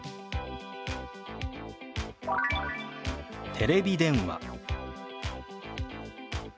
「テレビ電話」。